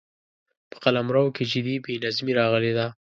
په قلمرو کې جدي بې نظمي راغلې ده.